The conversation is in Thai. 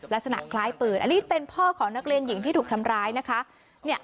ลักษณะคล้ายปืนอันนี้เป็นพ่อของนักเรียนหญิงที่ถูกทำร้ายนะคะ